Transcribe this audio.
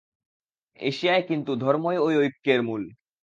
এশিয়ায় কিন্তু ধর্মই ঐ ঐক্যের মূল।